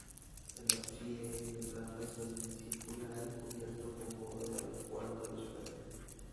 El ábside es de planta semicircular y cubierto con bóveda de cuarto de esfera.